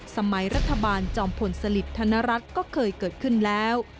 สมัยรัฐบาลจอมพลสลิดธนรัฐก็เคยเกิดขึ้นแล้ว